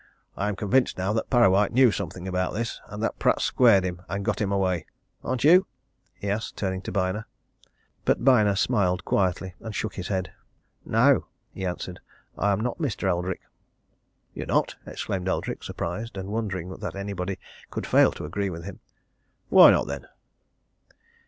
I am convinced now that Parrawhite knew something about this, and that Pratt squared him and got him away. Aren't you?" he asked, turning to Byner. But Byner smiled quietly and shook his head. "No!" he answered. "I am not, Mr. Eldrick." "You're not?" exclaimed Eldrick, surprised and wondering that anybody could fail to agree with him. "Why not, then?"